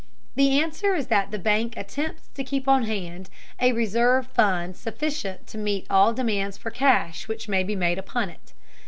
The answer is that the bank attempts to keep on hand a reserve fund sufficient to meet all demands for cash which may be made upon it.